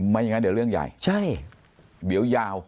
ไม่อย่างนั้นเดี๋ยวเรื่องใหญ่ใช่เดี๋ยวยาว